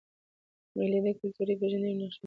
مېلې د کلتوري پیژندني یوه نخښه ده.